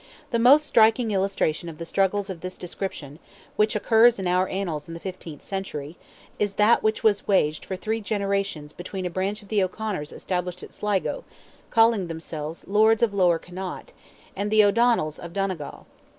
The most striking illustration of the struggles of this description, which occurs in our Annals in the fifteenth century, is that which was waged for three generations between a branch of the O'Conors established at Sligo, calling themselves "lords of Lower Connaught," and the O'Donnells of Donegal.